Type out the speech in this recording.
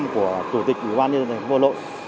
của chủ tịch ủy ban nhân dân bộ nội